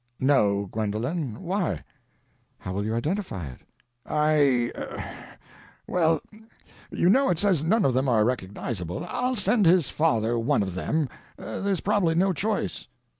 "No, Gwendolen why?" "How will you identify it?" "I—well, you know it says none of them are recognizable. I'll send his father one of them—there's probably no choice."